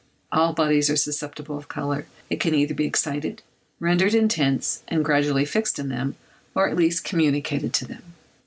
All bodies are susceptible of colour; it can either be excited, rendered intense, and gradually fixed in them, or at least communicated to them.